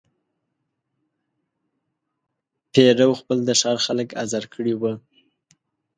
پیرو خپل د ښار خلک آزار کړي وه.